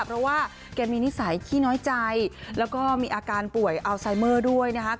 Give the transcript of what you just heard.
เพราะว่าแกมีนิสัยขี้น้อยใจแล้วก็มีอาการป่วยอัลไซเมอร์ด้วยนะครับ